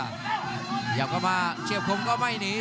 ขยับเข้ามาเชียบคมก็ไม่หนี